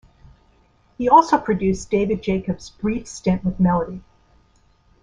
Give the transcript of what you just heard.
He also produced David Jacobs brief stint with Melody.